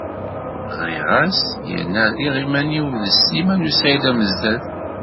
Ɣriɣ-as yerna rriɣ iman-inu d Sliman u Saɛid Amezdat.